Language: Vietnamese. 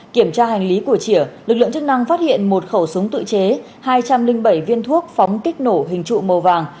kiểm tra hành lý của chỉa lực lượng chức năng phát hiện một khẩu súng tự chế hai trăm linh bảy viên thuốc phóng kích nổ hình trụ màu vàng